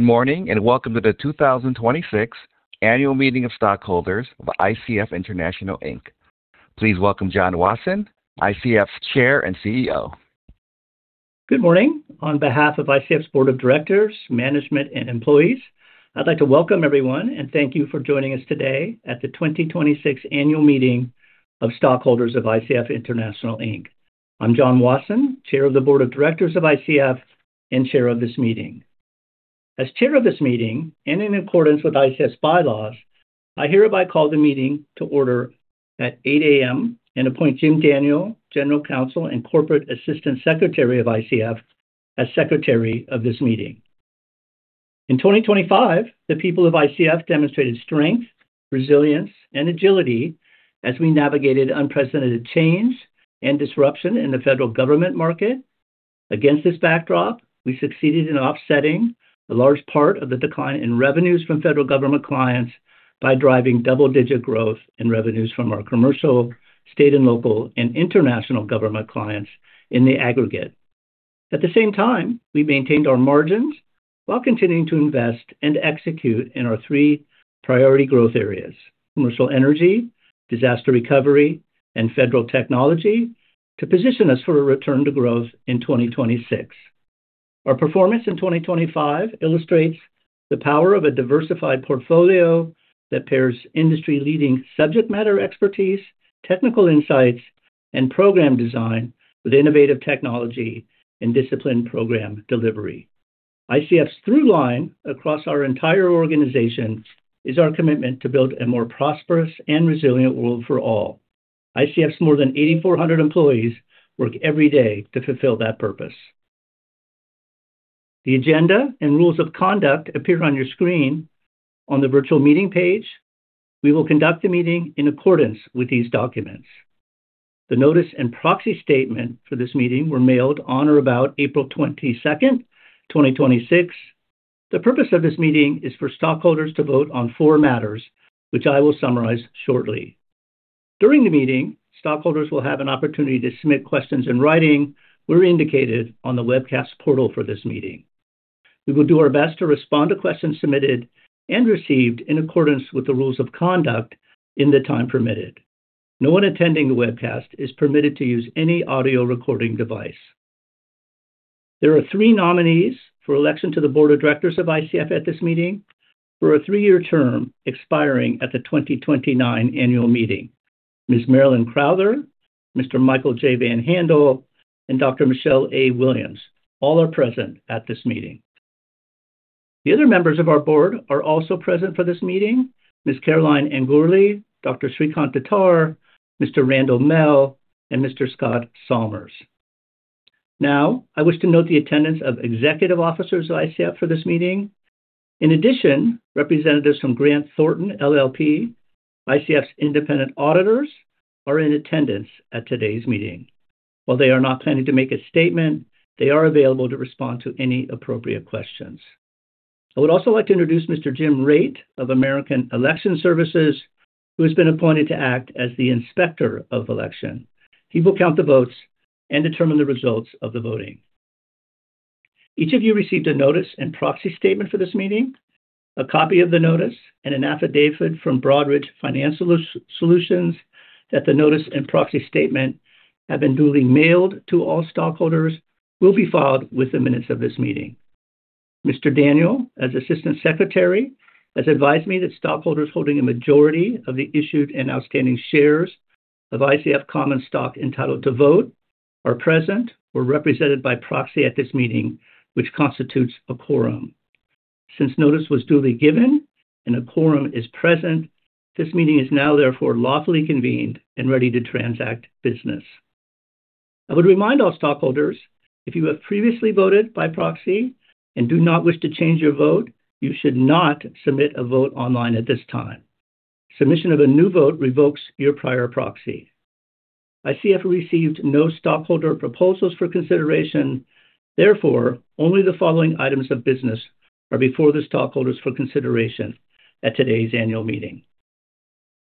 Good morning, and welcome to the 2026 Annual Meeting of Stockholders of ICF International, Inc. Please welcome John Wasson, ICF's Chair and CEO. Good morning. On behalf of ICF's Board of Directors, management, and employees, I'd like to welcome everyone and thank you for joining us today at the 2026 Annual Meeting of Stockholders of ICF International, Inc. I'm John Wasson, Chair of the Board of Directors of ICF and Chair of this meeting. As Chair of this meeting, and in accordance with ICF's bylaws, I hereby call the meeting to order at 8:00 A.M. and appoint Jim Daniel, General Counsel and Corporate Assistant Secretary of ICF, as Secretary of this meeting. In 2025, the people of ICF demonstrated strength, resilience, and agility as we navigated unprecedented change and disruption in the federal government market. Against this backdrop, we succeeded in offsetting a large part of the decline in revenues from federal government clients by driving double-digit growth in revenues from our commercial, state and local, and international government clients in the aggregate. At the same time, we maintained our margins while continuing to invest and execute in our three priority growth areas, commercial energy, disaster recovery, and federal technology, to position us for a return to growth in 2026. Our performance in 2025 illustrates the power of a diversified portfolio that pairs industry-leading subject matter expertise, technical insights, and program design with innovative technology and disciplined program delivery. ICF's through line across our entire organization is our commitment to build more prosperous and resilient world for all. ICF's more than 8,400 employees work every day to fulfill that purpose. The agenda and rules of conduct appear on your screen on the virtual meeting page. We will conduct the meeting in accordance with these documents. The notice and proxy statement for this meeting were mailed on or about April 22nd, 2026. The purpose of this meeting is for stockholders to vote on four matters, which I will summarize shortly. During the meeting, stockholders will have an opportunity to submit questions in writing where indicated on the webcast portal for this meeting. We will do our best to respond to questions submitted and received in accordance with the rules of conduct in the time permitted. No one attending the webcast is permitted to use any audio recording device. There are three nominees for election to the Board of Directors of ICF at this meeting for a three-year term expiring at the 2029 annual meeting. Ms. Marilyn Crouther, Mr. Michael J. Van Handel, and Dr. Michelle A. Williams. All are present at this meeting. The other members of our Board are also present for this meeting, Ms. Caroline Angoorly, Dr. Srikant Datar, Mr. Randy Mehl, and Mr. Scott Salmirs. Now, I wish to note the attendance of Executive Officers of ICF for this meeting. In addition, representatives from Grant Thornton LLP, ICF's independent auditors, are in attendance at today's meeting. While they are not planning to make a statement, they are available to respond to any appropriate questions. I would also like to introduce Mr. Jim Raitt of American Election Services, who has been appointed to act as the Inspector of Election. He will count the votes and determine the results of the voting. Each of you received a notice and proxy statement for this meeting. A copy of the notice and an affidavit from Broadridge Financial Solutions that the notice and proxy statement have been duly mailed to all stockholders will be filed with the minutes of this meeting. Mr. Daniel, as Assistant Secretary, has advised me that stockholders holding a majority of the issued and outstanding shares of ICF common stock entitled to vote are present or represented by proxy at this meeting, which constitutes a quorum. Notice was duly given and a quorum is present, this meeting is now therefore lawfully convened and ready to transact business. I would remind all stockholders, if you have previously voted by proxy and do not wish to change your vote, you should not submit a vote online at this time. Submission of a new vote revokes your prior proxy. ICF received no stockholder proposals for consideration, therefore, only the following items of business are before the stockholders for consideration at today's annual meeting.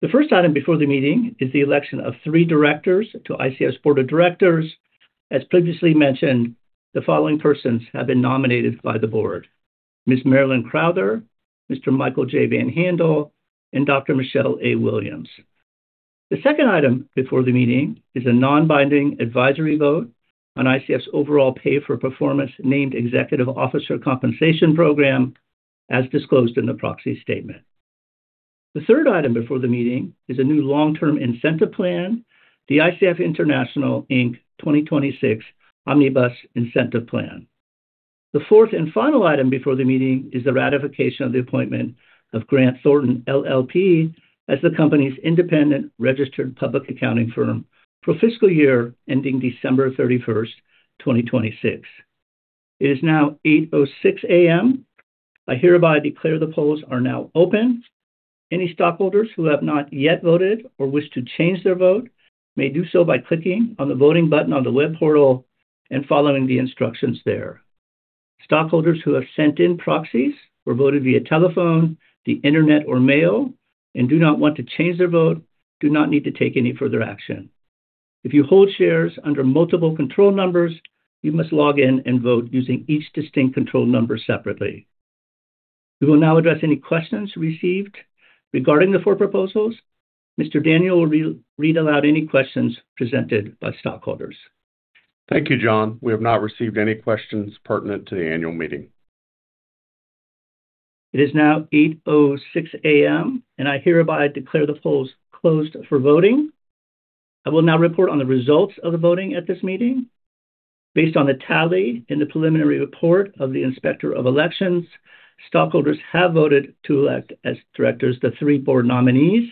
The first item before the meeting is the election of three Directors to ICF's Board of Directors. As previously mentioned, the following persons have been nominated by the board: Ms. Marilyn Crouther, Mr. Michael J. Van Handel, and Dr. Michelle A. Williams. The second item before the meeting is a non-binding advisory vote on ICF's overall pay for performance Named Executive Officer Compensation program, as disclosed in the proxy statement. The third item before the meeting is a new long-term incentive plan, the ICF International, Inc. 2026 Omnibus Incentive Plan. The fourth and final item before the meeting is the ratification of the appointment of Grant Thornton LLP as the company's independent registered public accounting firm for fiscal year ending December 31st, 2026. It is now 8:06 A.M. I hereby declare the polls are now open. Any stockholders who have not yet voted or wish to change their vote may do so by clicking on the voting button on the web portal and following the instructions there. Stockholders who have sent in proxies or voted via telephone, the internet, or mail and do not want to change their vote do not need to take any further action. If you hold shares under multiple control numbers, you must log in and vote using each distinct control number separately. We will now address any questions received regarding the four proposals. Mr. Daniel will read aloud any questions presented by stockholders. Thank you, John. We have not received any questions pertinent to the annual meeting. It is now 8:06 A.M., and I hereby declare the polls closed for voting. I will now report on the results of the voting at this meeting. Based on the tally in the preliminary report of the Inspector of Elections, stockholders have voted to elect as Directors the three board nominees,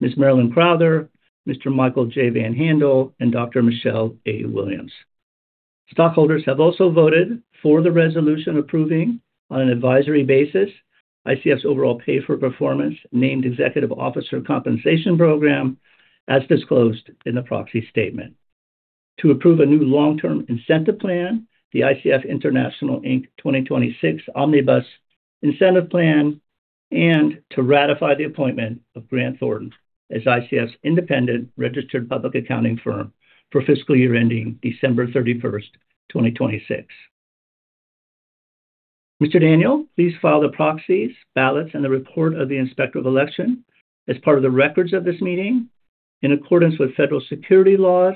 Ms. Marilyn Crouther, Mr. Michael J. Van Handel, and Dr. Michelle A. Williams. Stockholders have also voted for the resolution approving, on an advisory basis, ICF's overall pay for performance Named Executive Officer Compensation Program as disclosed in the proxy statement. To approve a new long-term incentive plan, the ICF International, Inc. 2026 Omnibus Incentive Plan, and to ratify the appointment of Grant Thornton as ICF's independent registered public accounting firm for fiscal year ending December 31st, 2026. Mr. Daniel, please file the proxies, ballots, and the report of the Inspector of Election as part of the records of this meeting. In accordance with federal securities laws,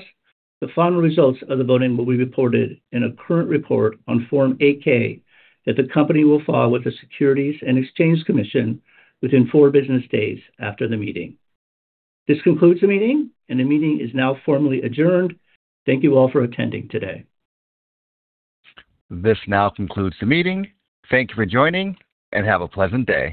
the final results of the voting will be reported in a current report on Form 8-K that the company will file with the Securities and Exchange Commission within four business days after the meeting. This concludes the meeting, and the meeting is now formally adjourned. Thank you all for attending today. This now concludes the meeting. Thank you for joining, and have a pleasant day.